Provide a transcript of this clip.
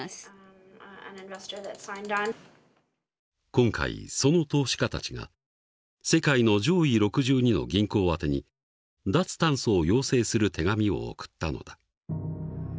今回その投資家たちが世界の上位６２の銀行宛てに脱炭素を要請する手紙を送ったのだ。